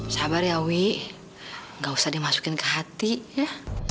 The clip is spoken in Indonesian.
sabar ya owi gak usah dimasukin ke hati ya